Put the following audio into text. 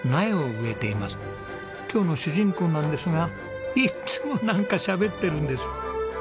今日の主人公なんですがいっつもなんかしゃべってるんです。